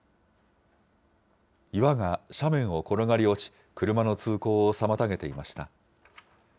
岩が斜面を転がり落ち、車の通行を妨げていました。